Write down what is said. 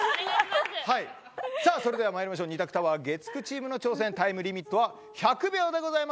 それではまいりましょう２択タワー月９チームの挑戦タイムリミットは１００秒です。